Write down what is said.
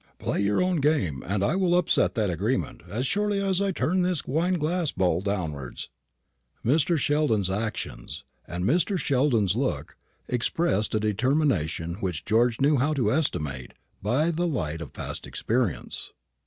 Play your own game, and I will upset that agreement, as surely as I turn this wine glass bowl downwards." Mr. Sheldon's action and Mr. Sheldon's look expressed a determination which George knew how to estimate by the light of past experience.